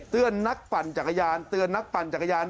นักปั่นจักรยานเตือนนักปั่นจักรยาน